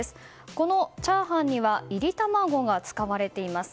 このチャーハンには炒り卵が使われています。